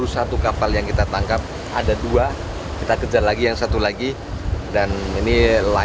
saudara saat ini kita akan mulai bekerja